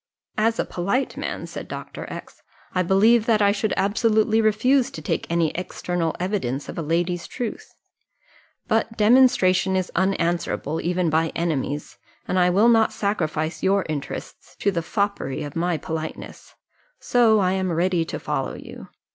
"As a polite man," said Dr. X , "I believe that I should absolutely refuse to take any external evidence of a lady's truth; but demonstration is unanswerable even by enemies, and I will not sacrifice your interests to the foppery of my politeness so I am ready to follow you.